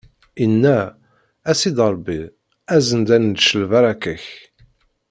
Inna: A Sidi Ṛebbi, azen-d ad nečč lbaṛaka-k!